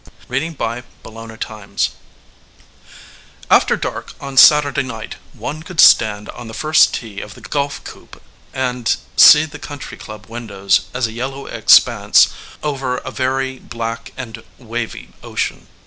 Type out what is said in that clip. Bernice Bobs Her Hair After dark on Saturday night one could stand on the first tee of the golf course and see the country club windows as a yellow expanse over a very black and wavy ocean.